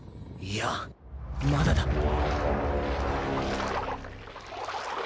いやまだだ。